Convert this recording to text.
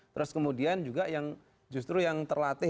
terus kemudian juga yang justru yang terlatih